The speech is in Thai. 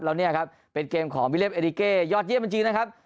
แล้วเนี่ยครับเป็นเกมของวิเลียริเกยอดเยี่ยมจริงนะครับ